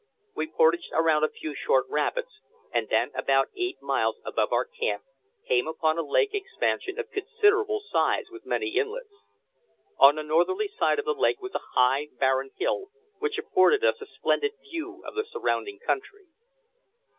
We portaged around a few short rapids, and then, about eight miles above our camp, came upon a lake expansion of considerable size with many inlets. On the northerly side of the lake was a high, barren hill, which afforded us a splendid view of the surrounding country.